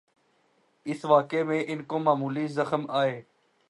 اس واقعے میں ان کو معمولی زخم آئے۔